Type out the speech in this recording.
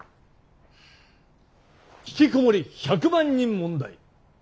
ひきこもり１００万人問題。